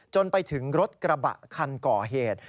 จนไปถึงรถกระบะคันก่อเหตุ